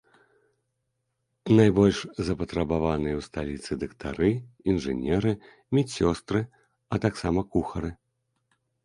Найбольш запатрабаваныя ў сталіцы дактары, інжынеры, медсёстры, а таксама кухары.